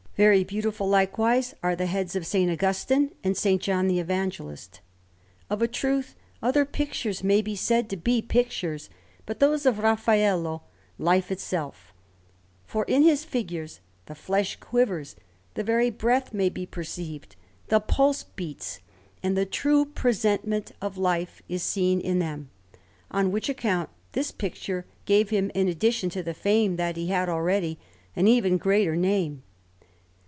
Very beautiful, likewise, are the heads of S. Augustine and S. John the Evangelist. Of a truth, other pictures may be said to be pictures, but those of Raffaello life itself, for in his figures the flesh quivers, the very breath may be perceived, the pulse beats, and the true presentment of life is seen in them; on which account this picture gave him, in addition to the fame that he had already, an even greater name.